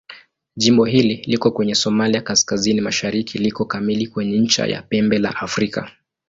Jimbo hili liko kwenye Somalia kaskazini-mashariki liko kamili kwenye ncha ya Pembe la Afrika.